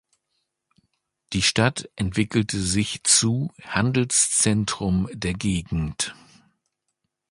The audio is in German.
Die Stadt entwickelte sich zu Handelszentrum der Gegend.